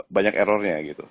banyak errornya gitu